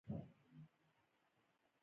افغانستان د کلتور د پلوه ځانته ځانګړتیا لري.